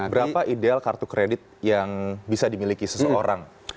berapa ideal kartu kredit yang bisa dimiliki seseorang